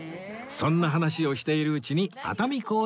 そんな話をしているうちに熱海港に到着